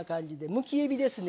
むきえびですね。